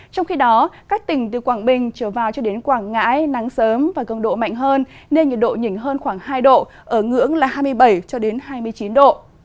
trong khi đó các tỉnh từ quảng bình trở vào cho đến quảng ngãi nắng sớm và cường độ mạnh hơn nên nhiệt độ nhỉnh hơn khoảng hai độ ở ngưỡng là hai mươi bảy hai mươi chín độ